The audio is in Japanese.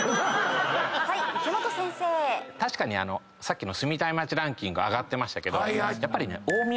確かにさっきの住みたい街ランキング上がってましたけどやっぱり。